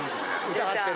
疑ってる？